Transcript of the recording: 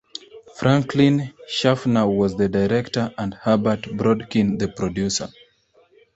Franklin Schaffner was the director and Herbert Brodkin the producer.